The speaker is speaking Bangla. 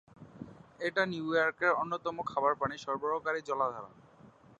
এটাও নিউ ইয়র্কের অন্যতম খাবার পানি সরবরাহকারী জলাধার।